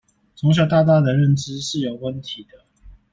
從小到大的認知是有問題的